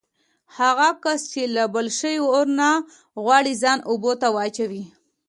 هغه کس چې له بل شوي اور نه غواړي ځان اوبو ته واچوي.